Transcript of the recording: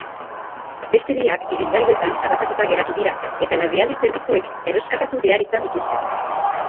Beste biak ibilgailuetan harrapatuta geratu dira eta larrialdi zerbitzuek erreskatatu behar izan dituzte.